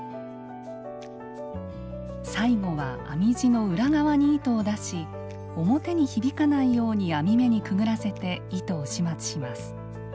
最後は編み地の裏側に糸を出し表にひびかないように編み目にくぐらせて糸を始末します。